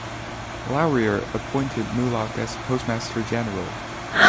Laurier appointed Mulock as Postmaster General.